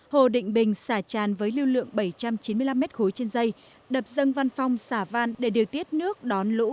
hồ định bình xả tràn với lưu lượng bảy trăm chín mươi năm m ba trên dây đập dân văn phong xả van để điều tiết nước đón lũ